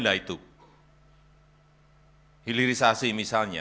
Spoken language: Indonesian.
nah itu hilirisasi misalnya